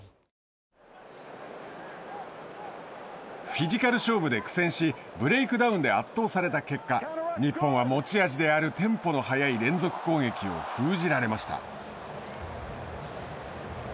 フィジカル勝負で苦戦しブレイクダウンで圧倒された結果日本は持ち味であるテンポの速い連続攻撃を封じられました。